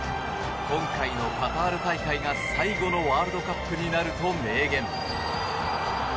今回のカタール大会が最後のワールドカップになると明言。